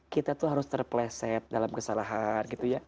kita harus terpeleset dalam kesalahan